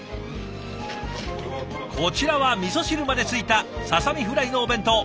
こちらはみそ汁までついたささみフライのお弁当。